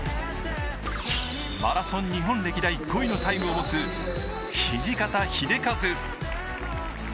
マラソン日本歴代５位のタイムを持つ土方英和。